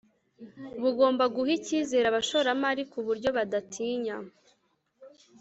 bugomba guha icyizere abashoramari ku buryo badatinya